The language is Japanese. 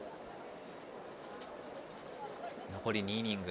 残り２イニング